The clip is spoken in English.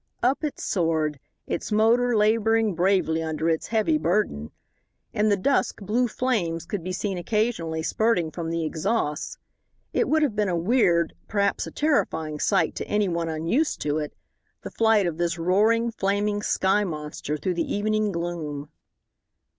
Up it soared, its motor laboring bravely under its heavy burden. In the dusk blue flames could be seen occasionally spurting from the exhausts. It would have been a weird, perhaps a terrifying sight to any one unused to it the flight of this roaring, flaming, sky monster, through the evening gloom.